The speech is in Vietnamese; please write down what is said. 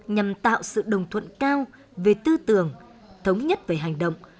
nhằm tạo sự đồng thuận cao về tư tưởng thống nhất về hành động